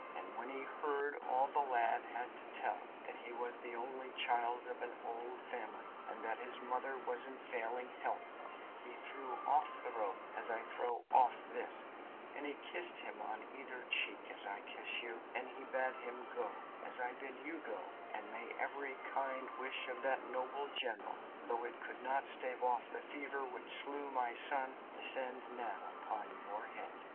And when he heard all the lad had to tell that he was the only child of an old family, and that his mother was in failing health he threw off the rope as I throw off this, and he kissed him on either cheek, as I kiss you, and he bade him go, as I bid you go, and may every kind wish of that noble general, though it could not stave off the fever which slew my son, descend now upon your head."